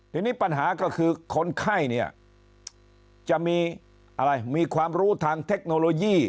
ทีนี้ปัญหาก็คือคนไข้เนี่ยจะมีอะไรมีความรู้ทางเทคโนโลยี